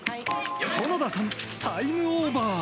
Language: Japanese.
園田さん、タイムオーバー。